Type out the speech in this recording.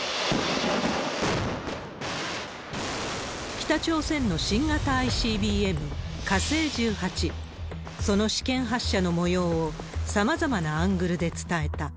北朝鮮の新型ＩＣＢＭ、火星１８、その試験発射のもようを、さまざまなアングルで伝えた。